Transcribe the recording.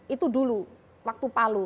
itu dulu waktu palu